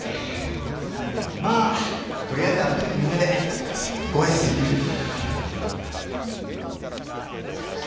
まあ取りあえずあらためてみんなでご挨拶行ってみる？